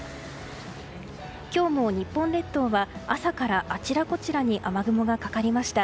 今日も日本列島は朝からあちらこちらに雨雲がかかりました。